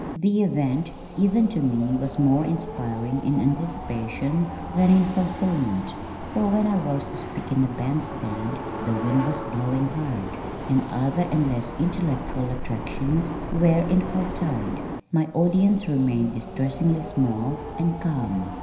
The event, even to me, was more inspiring in anticipation than in fulfillment, for when I rose to speak in the band stand the wind was blowing hard, and other and less intellectual attractions were in full tide. My audience remained distressingly small and calm.